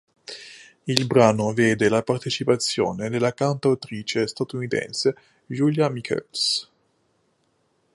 Il brano vede la partecipazione della cantautrice statunitense Julia Michaels.